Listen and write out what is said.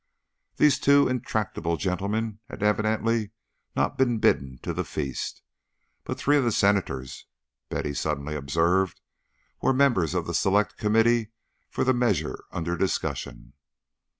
These two intractable gentlemen had evidently not been bidden to the feast; but three of the Senators, Betty suddenly observed, were members of the Select Committee for the measure under discussion.